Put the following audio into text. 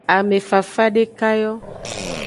Amefafa dekayo.